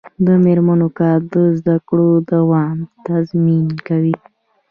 د میرمنو کار د زدکړو دوام تضمین کوي.